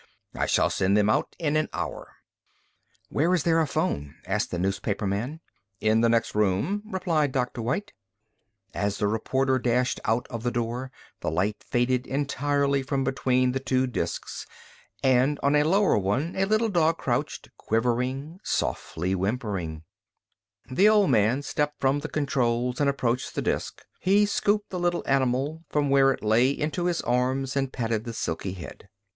I shall send them out in an hour." "Where is there a phone?" asked the newspaperman. "In the next room," replied Dr. White. As the reporter dashed out of the door, the light faded entirely from between the two disks and on the lower one a little dog crouched, quivering, softly whimpering. The old man stepped from the controls and approached the disk. He scooped the little animal from where it lay into his arms and patted the silky head.